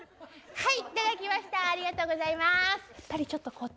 はい。